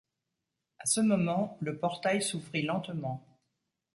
À ce moment, le portail s’ouvrit lentement.